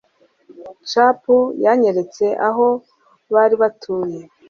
chap yanyeretse aho bari batuye